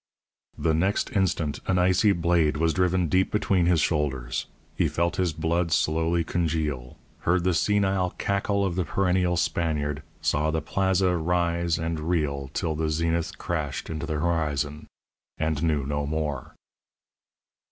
The next instant an icy blade was driven deep between his shoulders; he felt his blood slowly congeal; heard the senile cackle of the perennial Spaniard; saw the Plaza rise and reel till the zenith crashed into the horizon and knew no more.